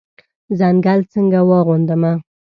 ځنګل څنګه واغوندمه